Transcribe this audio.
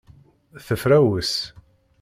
Tefrawes.